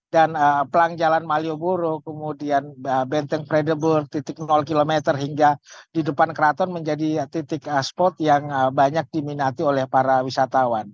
dan pelang jalan malioboro kemudian benteng freddeburg titik km hingga di depan keraton menjadi titik spot yang banyak diminati oleh para wisatawan